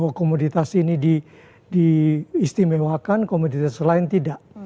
bahwa komoditas ini diistimewakan komoditas lain tidak